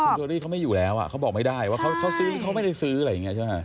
คุณเชอรี่เขาไม่อยู่แล้วเขาบอกไม่ได้ว่าเขาซื้อเขาไม่ได้ซื้ออะไรอย่างนี้ใช่ไหม